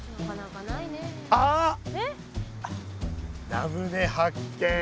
ラムネ発見！